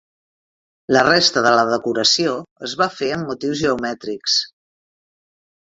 La resta de la decoració es va fer amb motius geomètrics.